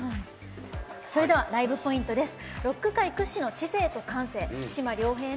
それではライブポイントです。